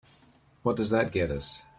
What does that get us?